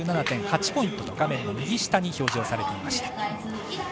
４７．８ポイントと画面の右下に表示されていました。